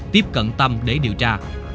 tiếp cận tâm để điều tra